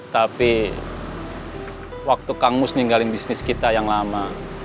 tapi waktu kang mus ninggalin bisnis kita yang lama